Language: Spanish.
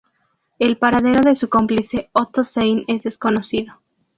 El paradero de su cómplice Otto Sein es desconocido.